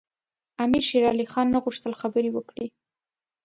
امیر شېرعلي خان نه غوښتل خبرې وکړي.